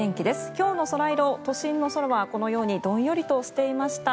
きょうのソライロ都心の空はこのようにどんよりとしていました。